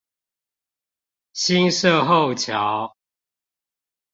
新社後橋